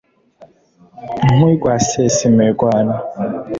nk' urwa sesa imirwano